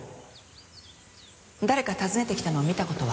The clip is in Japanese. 誰か訪ねてきたのを見た事は？